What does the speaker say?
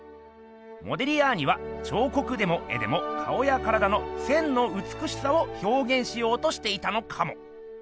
モディリアーニは彫刻でも絵でも顔や体の線のうつくしさを表現しようとしていたのかも。